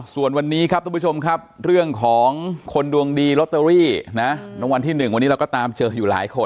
ส่วนวันนี้ครับทุกผู้ชมครับเรื่องของคนดวงดีลอตเตอรี่นะรางวัลที่๑วันนี้เราก็ตามเจออยู่หลายคน